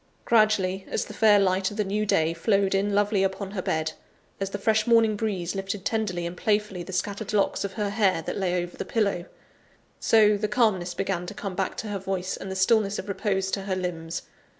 Gradually, as the fair light of the new day flowed in lovely upon her bed; as the fresh morning breeze lifted tenderly and playfully the scattered locks of her hair that lay over the pillow so, the calmness began to come back to her voice and the stillness of repose to her limbs.